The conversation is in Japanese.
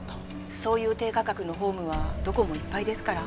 そういう低価格のホームはどこもいっぱいですから。